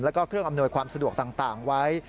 แล้วก็เครื่องอำนวยความสะดวกต่างไว้